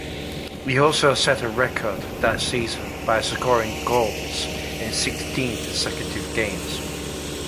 He also set a record that season by scoring goals in sixteen consecutive games.